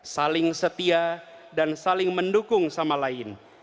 saling setia dan saling mendukung sama lain